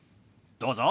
どうぞ。